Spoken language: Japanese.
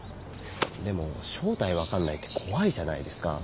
でも正体分かんないって怖いじゃないですか。